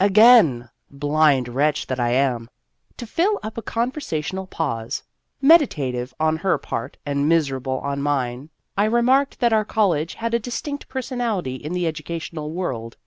Again blind wretch that I am ! to fill up a conversational pause, meditative on Danger ! 241 her part and miserable on mine, I re marked that our college has a distinct personality in the educational world.